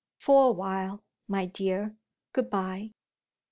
For a while, my dear, good bye.